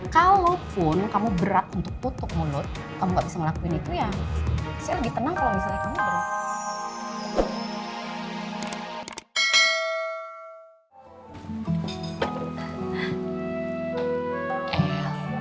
kalaupun kamu berat untuk tutup mulut kamu gak bisa ngelakuin itu ya saya lebih tenang kalau misalnya kamu beras